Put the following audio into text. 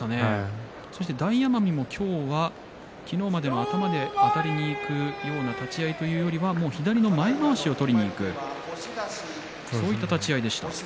そして大奄美も今日は昨日までは頭であたりにいくような立ち合いというよりは左の前まわしを取りにいくそういった立ち合いでした。